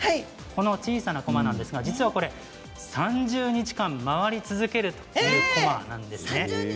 小さなこまなんですけれど実は、３０日間回り続けるというこまなんです。